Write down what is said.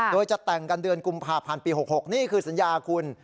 โดยจะแต่งกันเดือนกุมภาพันธ์ปี๖๖นี่คือสัญญาคุณ